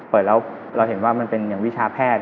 เพราะรอดเปิดเราเห็นว่ามันเป็นวิชาแพทย์